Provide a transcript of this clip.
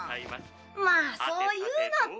まあそう言うなって。